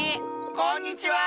こんにちは！